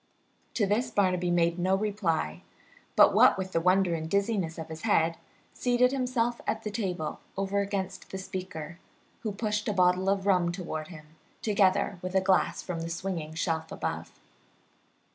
To this Barnaby made no reply, but, what with wonder and the dizziness of his head, seated himself at the table over against the speaker, who pushed a bottle of rum toward him, together with a glass from the swinging shelf above.